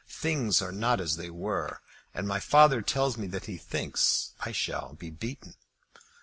Things are not as they were, and my father tells me that he thinks I shall be beaten."